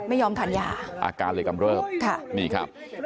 ไม่ยอมห่านยาอาการและกำเงิบ